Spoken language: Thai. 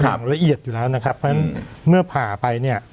อย่างละเอียดอยู่แล้วนะครับเพราะฉะนั้นเมื่อผ่าไปเนี่ย